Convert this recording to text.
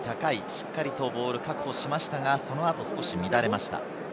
しっかりとボールを確保しましたが、その後、少し乱れました。